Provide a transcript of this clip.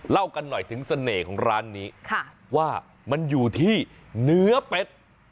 เล่ากันหน่อยถึงเสน่ห์ของร้านนี้ว่ามันอยู่ที่เนื้อเป็ด